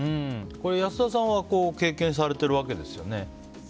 これ、安田さんは経験されているわけですよね。